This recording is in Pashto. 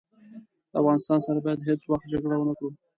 له افغانستان سره باید هیڅ وخت جګړه ونه کړو.